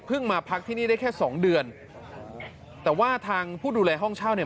มาพักที่นี่ได้แค่สองเดือนแต่ว่าทางผู้ดูแลห้องเช่าเนี่ย